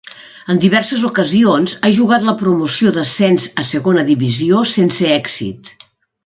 En diverses ocasions ha jugat la promoció d'ascens a Segona Divisió sense èxit.